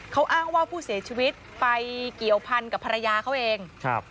เขาอ้างว่าผู้เสียชีวิตไปเกี่ยวพันกับภรรยาเขาเองครับ